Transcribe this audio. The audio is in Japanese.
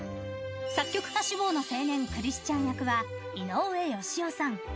作曲家志望の青年クリスチャン役は井上芳雄さん。